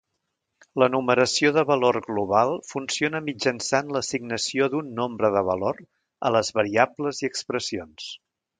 La numeració de valor global funciona mitjançant l'assignació d'un nombre de valor a les variables i expressions.